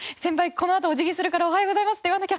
このあとお辞儀するからおはようございますって言わなきゃ！